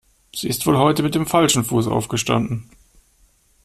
Sie ist wohl heute mit dem falschen Fuß aufgestanden.